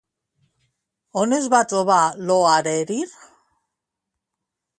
On es va trobar l'Óðrerir?